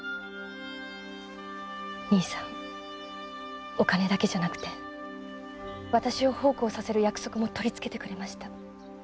兄さんお金だけじゃなくて私を奉公させる約束も取り付けてくれました。